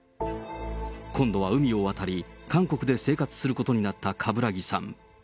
今度は海を渡り、韓国で生活することになった冠木さん。